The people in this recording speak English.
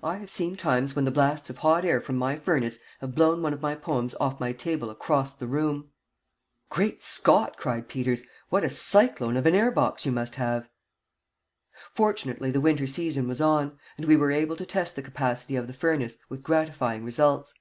I have seen times when the blasts of hot air from my furnace have blown one of my poems off my table across the room." "Great Scott!" cried Peters. "What a cyclone of an air box you must have!" Fortunately the winter season was on, and we were able to test the capacity of the furnace, with gratifying results.